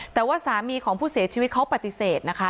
แต่ว่าสามีของผู้เสียชีวิตเขาปฏิเสธนะคะ